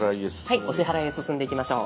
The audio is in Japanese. はいお支払いへ進んでいきましょう。